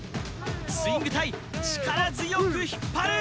スイング隊力強く引っ張る！